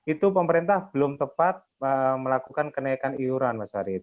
itu pemerintah belum tepat melakukan kenaikan iuran mas arief